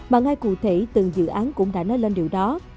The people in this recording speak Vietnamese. mà ngay cụ thể từng dự án cũng đã nói lên điều đó